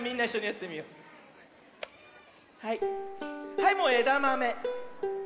はいもうえだまめ。